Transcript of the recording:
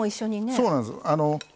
そうなんです。